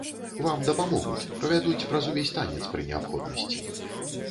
Вам дапамогуць, правядуць праз увесь танец пры неабходнасці.